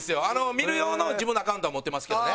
見る用の自分のアカウントは持ってますけどね。